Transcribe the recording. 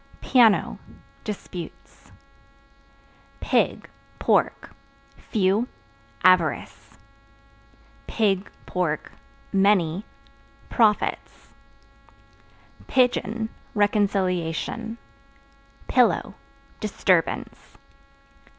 Piano Disputes. Pig Pork (Few) avarice; (many) profits. Pigeon Reconciliation. Pillow Disturbance.